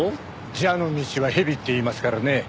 蛇の道は蛇っていいますからね。